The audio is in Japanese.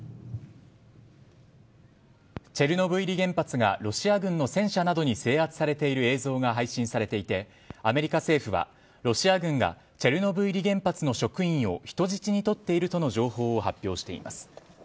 チェルノブイリ原発がロシア軍の戦車などに制圧されている映像が配信されていてアメリカ政府は、ロシア軍がチェルノブイリ原発の職員を人質に取っているとの情報を発表しています。